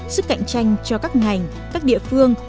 sức cạnh tranh cho các ngành các địa phương